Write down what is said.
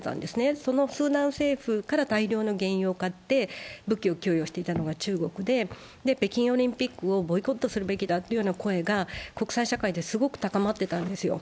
そのスーダン政府から大量の原油を買って武器を供給してたのが中国で、北京オリンピックをボイコットするべきだという声が国際社会で高まっていたんですよ。